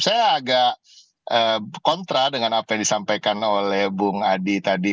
saya agak kontra dengan apa yang disampaikan oleh bung adi tadi